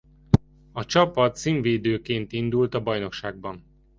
A csapat címvédőként indult a bajnokságban.